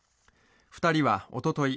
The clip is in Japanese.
２人はおととい